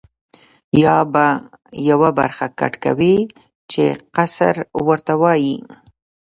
یا به یوه برخه کټ کوې چې قصر ورته وایي.